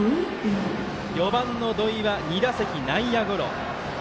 ４番の土井は２打席内野ゴロ。